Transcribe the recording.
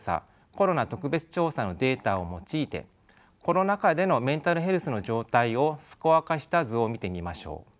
・コロナ特別調査のデータを用いてコロナ禍でのメンタルヘルスの状態をスコア化した図を見てみましょう。